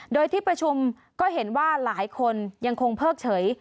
โดยที่ประชุมก็เห็นว่าหลายคนยังคงเพิกเฉย